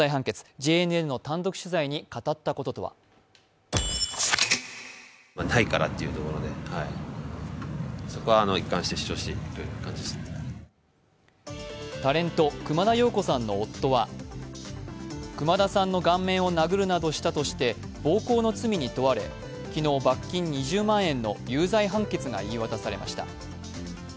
ＪＮＮの単独取材に語ったこととはタレント、熊田曜子さんの夫は熊田さんの顔面を殴るなどしたとして暴行の罪に問われ、昨日、罰金２０万円の有罪判決が言い渡されました。